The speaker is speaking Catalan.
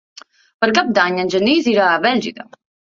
Per Cap d'Any en Genís irà a Bèlgida.